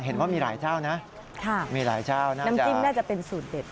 เห็นว่ามีหลายเจ้านะมีหลายเจ้านะน้ำจิ้มน่าจะเป็นสูตรเด็ด